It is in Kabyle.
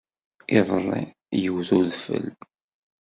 Iḍelli yewt-d udfel.